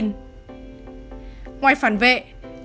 ngoài phản vệ có thể gặp những biểu hiện có thể gặp sau khi dùng thuốc